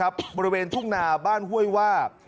บริเวณทุกนาบ้านเฮ้วยวาว